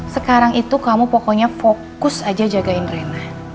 sekarang itu kamu pokoknya fokus aja jagain rena